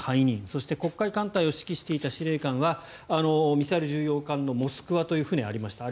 そして黒海艦隊を指揮していた司令官はミサイル巡洋艦の「モスクワ」という船がありました。